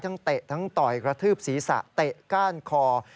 เตะทั้งต่อยกระทืบศีรษะเตะก้านคอ